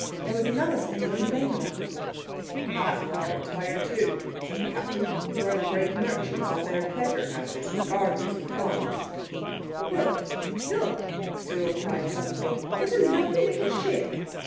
There was another city on the mainland. "That's part of Tyre, too," said the Captain; "it's where the great merchants have their pleasure houses and gardens and farms." "Look, look!" Cyril cried suddenly; "what a lovely little ship!"